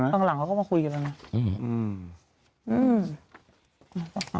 ข้างหลังเขาก็มาคุยกันแล้วนะ